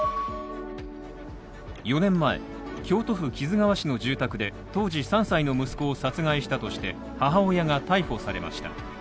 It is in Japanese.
４年前、京都府木津川市の住宅で当時３歳の息子を殺害したとして母親が逮捕されました。